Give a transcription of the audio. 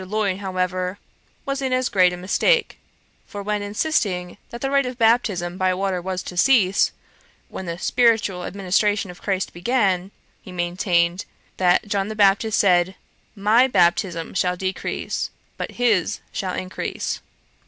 Lloyd, however, was in as great a mistake; for when insisting that the rite of baptism by water was to cease, when the spiritual administration of CHRIST began, he maintained, that John the Baptist said, 'My baptism shall decrease, but his shall increase.'